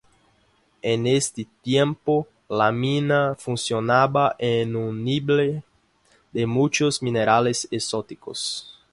En este tiempo, la mina funcionaba en un nivel de muchos minerales exóticos.